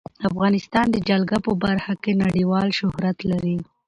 افغانستان د جلګه په برخه کې نړیوال شهرت لري.